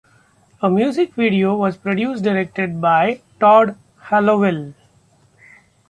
A music video was produced, directed by Todd Hallowell.